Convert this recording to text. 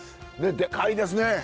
でかいですね。